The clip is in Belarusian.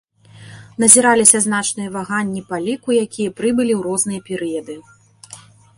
Назіраліся значныя ваганні па ліку якія прыбылі ў розныя перыяды.